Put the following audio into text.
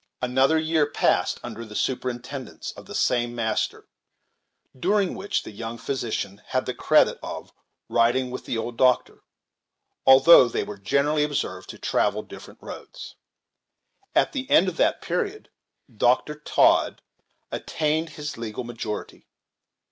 Another year passed under the superintendence of the same master, during which the young physician had the credit of "riding with the old doctor," although they were generally observed to travel different roads. At the end of that period, Dr. Todd attained his legal majority.